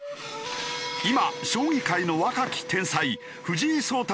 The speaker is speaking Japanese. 今将棋界の若き天才藤井聡太